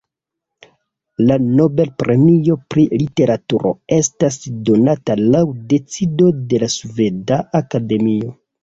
La Nobel-premio pri literaturo estas donata laŭ decido de la Sveda Akademio.